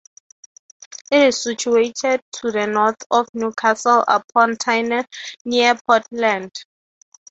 It is situated to the north of Newcastle upon Tyne, near Ponteland.